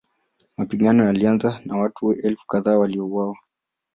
Mapigano yalianza na watu elfu kadhaa waliuawa.